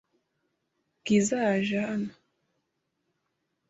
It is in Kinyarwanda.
Bwiza yaje hano?